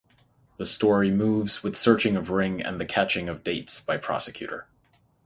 The story moves with searching of ring and the catching of Dates by prosecutor.